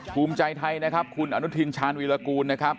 ภูมิใจไทยนะครับคุณอนุทินชาญวีรกูลนะครับ